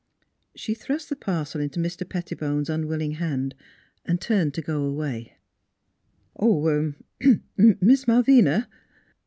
She thrust the parcel into Mr. Pettibone's un willing hand and turned to go away. "Oh er Miss Malvina!"